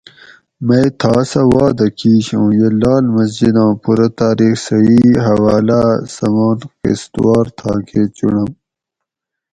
مئ تھا سہ واعدہ کِیش اُوں یہ لال مسجد آں پورہ تاریخ صحیح حواۤلاۤ اۤ سمان قسط وار تھاکہ چُنڑم